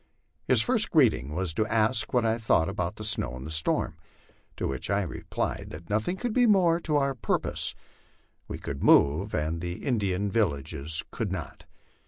His first greeting was to ask what I thought about the snow and the storm. To which I replied that nothing could be more to our purpose. We could move and the Indian villages could not.